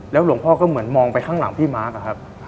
หลวงพ่อก็เหมือนมองไปข้างหลังพี่มาร์คอะครับ